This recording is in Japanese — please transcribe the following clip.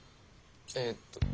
えっと